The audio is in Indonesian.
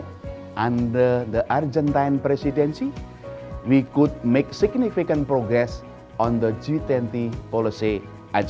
kami berharap di bawah presidensi argentina kami bisa membuat progres yang signifikan di agenda polisi g dua puluh